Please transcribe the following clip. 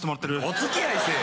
お付き合い。